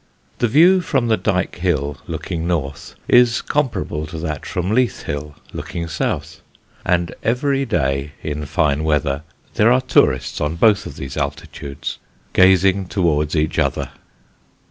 The view from the Dyke Hill, looking north, is comparable to that from Leith Hill, looking south; and every day in fine weather there are tourists on both of these altitudes gazing towards each other.